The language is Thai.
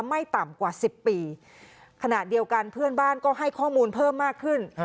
ไม่ต่ำกว่าสิบปีขณะเดียวกันเพื่อนบ้านก็ให้ข้อมูลเพิ่มมากขึ้น